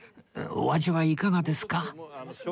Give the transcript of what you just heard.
お味はいかがですか？